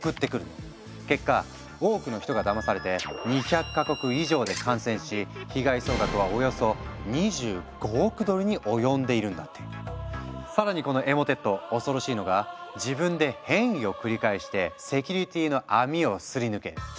結果多くの人がだまされて２００か国以上で感染し被害総額はおよそ更にこのエモテット恐ろしいのが自分で変異を繰り返してセキュリティの網をすり抜ける。